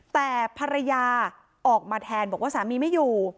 แต่ภรรยาออกมาแทนบอกว่าสามีไม่อยู่